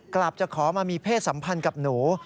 กลับจะขอมามีเพศสัมพันธ์กับหนู